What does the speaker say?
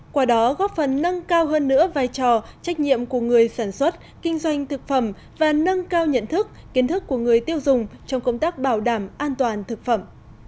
qua đó góp phần nâng cao hơn nữa vai trò trách nhiệm của người sản xuất kinh doanh thực phẩm và nâng cao nhận thức kiến thức của người tiêu dùng trong công tác bảo đảm an toàn thực phẩm